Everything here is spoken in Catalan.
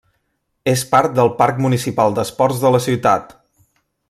És part del Parc Municipal d'Esports de la ciutat.